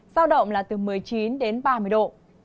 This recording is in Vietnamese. giao động là từ một mươi chín đến ba mươi độ